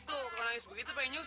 enggak lu selesaikan masalah gua